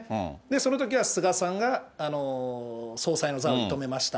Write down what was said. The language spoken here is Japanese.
そのときは菅さんが総裁の座を射止めました。